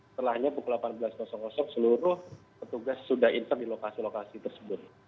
setelahnya pukul delapan belas seluruh petugas sudah insert di lokasi lokasi tersebut